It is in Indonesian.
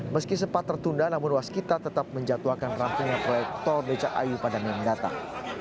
meski sempat tertunda namun waskita tetap menjatuhkan perampingan proyek tol becak ayu pada minggu yang datang